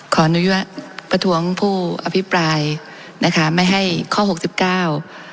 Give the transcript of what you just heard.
ขออนุญาตประท้วงผู้อภิปรายนะคะไม่ให้ข้อหกสิบเก้า